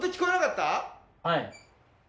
はい。